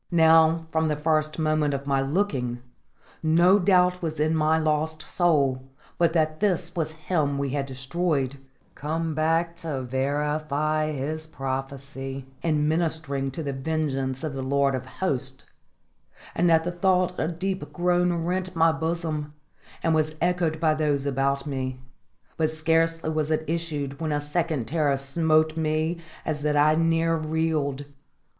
Now, from the first moment of my looking, no doubt was in my lost soul but that this was him we had destroyed come back to verify his prophecy in ministering to the vengeance of the Lord of Hosts; and at the thought a deep groan rent my bosom, and was echoed by those about me. But scarcely was it issued when a second terror smote me as that I near reeled.